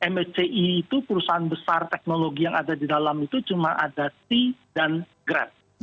msci itu perusahaan besar teknologi yang ada di dalam itu cuma ada c dan grab